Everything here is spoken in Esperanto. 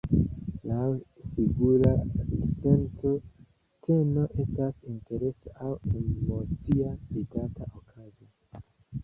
Laŭ figura senco, sceno estas interesa aŭ emocia vidata okazo.